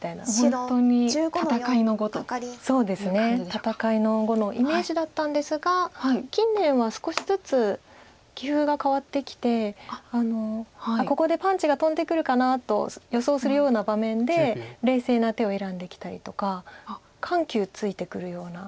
戦いの碁のイメージだったんですが近年は少しずつ棋風が変わってきてここでパンチが飛んでくるかなと予想するような場面で冷静な手を選んできたりとか緩急ついてくるような。